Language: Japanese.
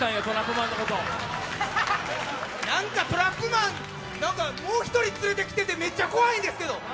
なんかトランプマン、もう１人連れてきててめっちゃ怖いんですけど！